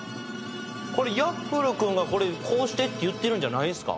これＹａｆｆｌｅ君がこれこうしてって言ってるんじゃないんですか？